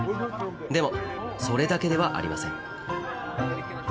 でも、それだけではありません。